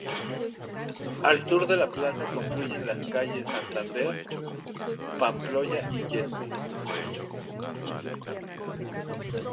Al sur de la plaza confluyen las calles Santander, Pamplona y Yeste.